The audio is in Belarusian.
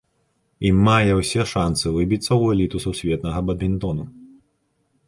І мае ўсе шанцы выбіцца ў эліту сусветнага бадмінтону.